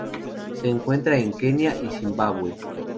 Se encuentra en Kenia y Zimbabue.